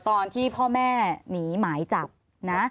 ตอนที่พ่อแม่หนีหมายจับนะ